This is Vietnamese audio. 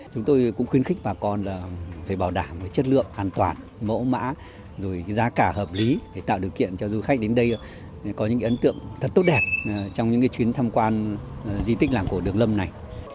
chúng tôi cũng khuyến khích bà con là phải bảo đảm về chất lượng an toàn mẫu mã rồi giá cả hợp lý để tạo điều kiện cho du khách đến đây có những ấn tượng thật tốt đẹp trong những chuyến tham quan di tích làng cổ đường lâm này